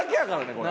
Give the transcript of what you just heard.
これ。